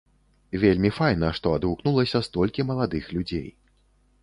Вельмі файна, што адгукнулася столькі маладых людзей.